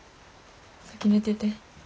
先寝てて。